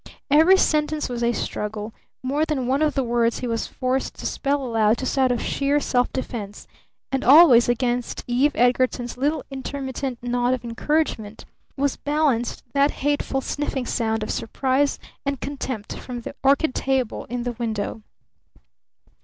Every sentence was a struggle; more than one of the words he was forced to spell aloud just out of sheer self defense; and always against Eve Edgarton's little intermittent nod of encouragement was balanced that hateful sniffing sound of surprise and contempt from the orchid table in the window.